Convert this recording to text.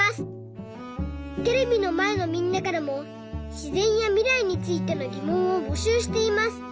テレビのまえのみんなからもしぜんやみらいについてのぎもんをぼしゅうしています。